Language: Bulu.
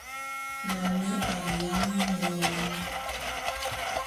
Nane a yáne ngon.